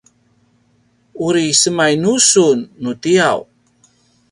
muri semainu sun nu tiyaw?